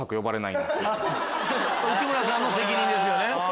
内村さんの責任ですよね。